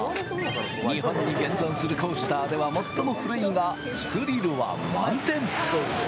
日本に現存するコースターでは最も古いがスリルは満点！